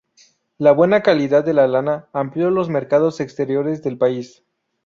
La buena calidad de la lana amplió los mercados exteriores del país.